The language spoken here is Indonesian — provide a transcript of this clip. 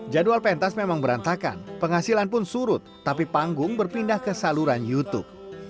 jadwal pentas memang berantakan penghasilan pun surut tapi panggung berpindah ke saluran youtube